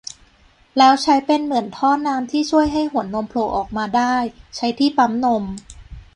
แล้วใช้เป็นเหมือนห่อน้ำแข็งที่ช่วยให้หัวนมโผล่ออกมาได้ ใช้ที่ปั๊มนม